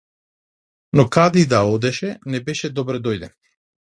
Но каде и да одеше, не беше добредојден.